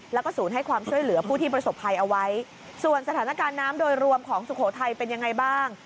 แล้วก็ศูนย์ให้ความช่วยเหลือผู้ที่ประสบภัยเอาไว้ส่วนสถานการณ์น้ำโดยรวมของสุโขทัยเป็นยังไงบ้าง